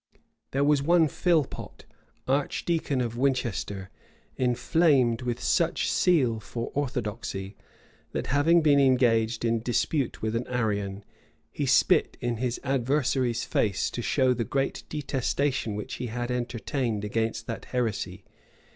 There was one Philpot, archdeacon of Winchester, inflamed with such zeal for orthodoxy, that having been engaged in dispute with an Arian, he spit in his adversary's face, to show the great detestation which he had entertained against that heresy.